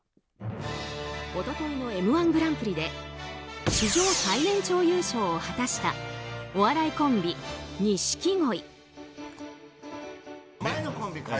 一昨日の「Ｍ‐１グランプリ」で史上最年長優勝を果たしたお笑いコンビ、錦鯉。